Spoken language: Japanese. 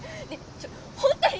ちょっと本当に！